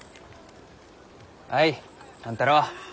はい万太郎。